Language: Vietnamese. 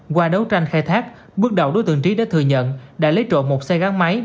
qua đấu tranh khai thác bước đầu đối tượng trí đã thừa nhận đã lấy trộm một xe gắn máy